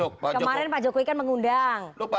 kemarin pak jokowi kan mengundang